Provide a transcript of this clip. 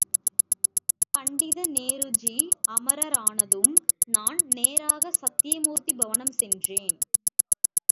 பண்டிதநேருஜி அமரரானதும் நான் நேராக சத்யமூர்த்தி பவனம் சென்றேன்.